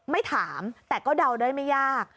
ไม่ถามแต่ก็เดาได้ไม่ยาก